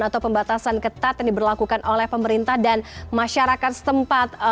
atau pembatasan ketat yang diberlakukan oleh pemerintah dan masyarakat setempat